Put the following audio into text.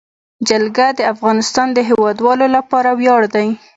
جلګه د افغانستان د هیوادوالو لپاره ویاړ دی.